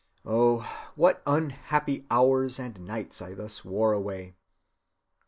Oh, what unhappy hours and nights I thus wore away!